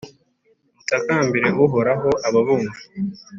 mutakambire Uhoraho ababumva